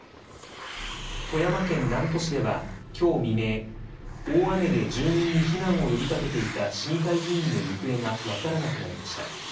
富山県南砺市ではきょう未明、大雨で住民に避難を呼びかけていた市議会議員の行方が分からなくなりました。